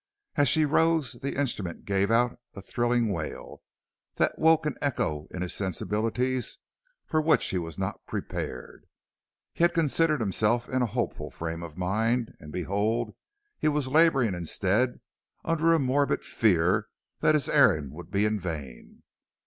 As she rose the instrument gave out a thrilling wail that woke an echo in his sensibilities for which he was not prepared. He had considered himself in a hopeful frame of mind, and behold, he was laboring instead under a morbid fear that his errand would be in vain.